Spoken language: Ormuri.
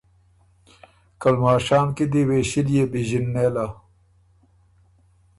که لمشام کی دی وېݭِليې بیݫِن نېله۔